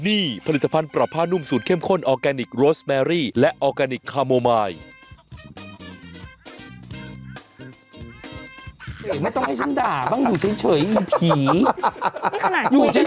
ไหมอ่านข่าวเครียดเครียดเครียดเครียดเครียดเครียดเครียดเครียดเครียด